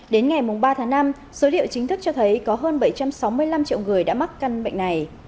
đến ngày ba tháng năm số liệu chính thức cho thấy có hơn bảy trăm sáu mươi năm triệu người đã mắc căn bệnh này